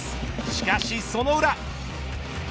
しかしその裏。